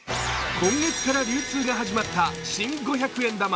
今月から流通が始まった新五百円玉。